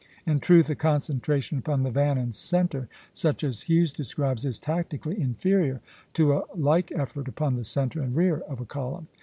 In truth, a concentration upon the van and centre, such as Hughes describes, is tactically inferior to a like effort upon the centre and rear of a column.